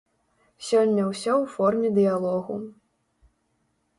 Сёння ўсё ў форме дыялогу.